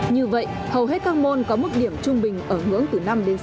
như vậy hầu hết các môn có mức điểm trung bình ở ngưỡng từ năm đến sáu